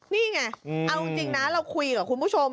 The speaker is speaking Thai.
นี่ไงเอาจริงนะเราคุยกับคุณผู้ชม